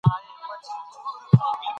پوهان وايي چي ټولنه ژوندی موجود دی.